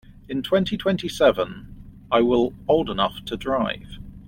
In twenty-twenty-seven I will old enough to drive.